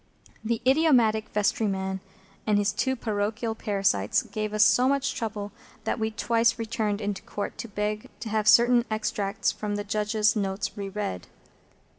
The idiotic vestryman and his two parochial parasites gave us so much trouble that we twice returned into Court to beg to have certain extracts from the Judge's notes re read.